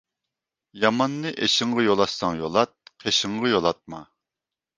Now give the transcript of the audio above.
ياماننى ئېشىڭغا يولاتساڭ يولات، قېشىڭغا يولاتما.